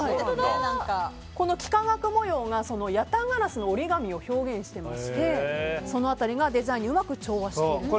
この幾何学模様がヤタガラスの折り紙を表現していましてその辺りがデザインにうまく調和していると。